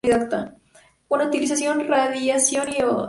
Utiliza radiación ionizante.